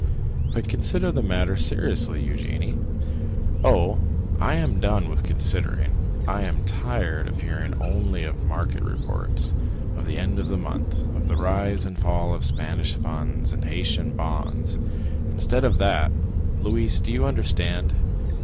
"But consider the matter seriously, Eugénie!" "Oh, I am done with considering! I am tired of hearing only of market reports, of the end of the month, of the rise and fall of Spanish funds, of Haitian bonds. Instead of that, Louise—do you understand?